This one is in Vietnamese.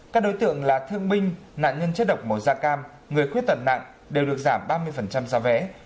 các đối tượng là thương binh nạn nhân chất độc một gia cam người khuất tật nạn đều được giảm ba mươi giá vé